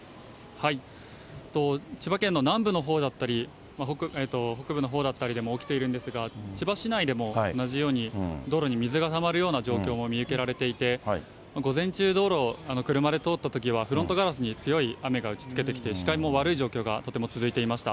千葉県の南部のほうだったり、北部のほうだったりでも起きているんですが、千葉市内でも同じように道路に水がたまるような状況も見受けられていて、午前中、道路、車で通ったときは、フロントガラスに強い雨が打ちつけていて、視界も悪い状態がとても続いていました。